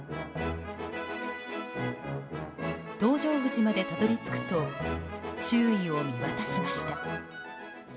搭乗口までたどり着くと周囲を見渡しました。